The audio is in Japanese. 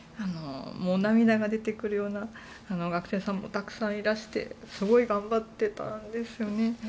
涙が出てくるような学生さんもたくさんいらしてすごく頑張っていたんです。